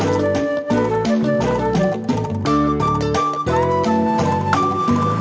terimakasih karena wolon chunuts produ hoarder